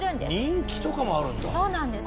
人気とかもあるんだ？